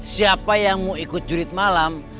siapa yang mau ikut jurid malam